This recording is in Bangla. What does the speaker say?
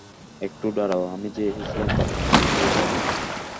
একটু দাঁড়াও, আমি যে এসেছিলাম তার প্রমাণ রেখে যেতে হবে।